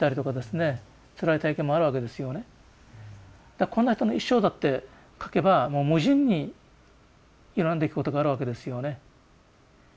だからこんな人の一生だって書けばもう無尽にいろんな出来事があるわけですよね。